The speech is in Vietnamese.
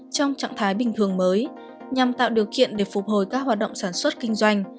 trong trạng thái bình thường mới nhằm tạo điều kiện để phục hồi các hoạt động sản xuất kinh doanh